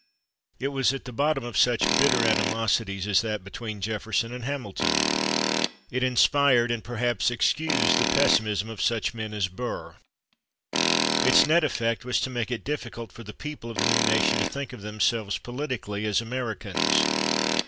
It was at the bottom of such bitter animosities as that between Jefferson and Hamilton. It inspired and perhaps excused the pessimism of such men as Burr. Its net effect was to make it difficult for the people of the new nation to think of themselves, politically, as Americans.